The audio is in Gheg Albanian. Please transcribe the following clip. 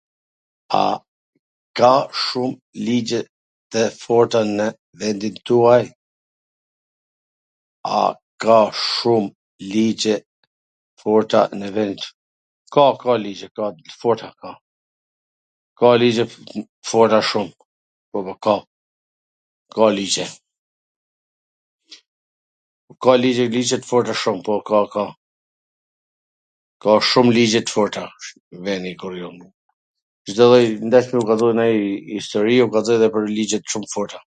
A ka shum ligje tw forta nw vendin tuaj? Ka, ka ligje, ka, t forta, po, ka ligje t forta shum, po, po, ka, ka ligje, ka shum ligje t forta vendi ku rri un, Cdo lloj nw daCi ju kallzoj njw histori ju kallzoj edhe pwr ligje t forta.